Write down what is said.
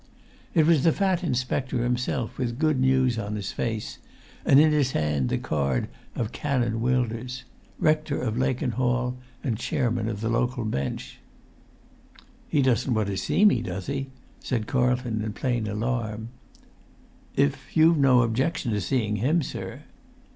It was the fat inspector himself, with good news on his face, and in his hand the card of Canon Wilders, Rector of Lakenhall and chairman of the local bench. "He doesn't want to see me, does he?" said Carlton, in plain alarm. "If you've no objection to seeing him, sir."